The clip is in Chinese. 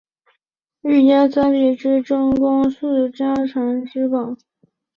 里御三家之一的真宫寺家传家之宝。